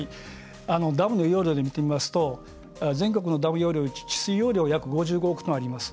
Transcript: ダムの容量で考えますと全国のダム容量治水容量５５億トンあります。